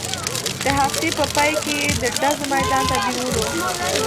د هفتې په پاى کښې يې د ډزو ميدان ته بېولو.